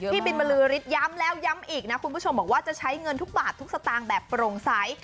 พี่บินบรือฤทธิย้ำแล้วย้ำอีกนะคุณผู้ชมบอกว่าจะใช้เงินทุกบาททุกสตางค์แบบโปร่งใส